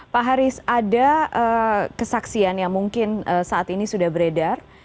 pak haris ada kesaksian yang mungkin saat ini sudah beredar